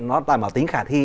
nó tài bảo tính khả thi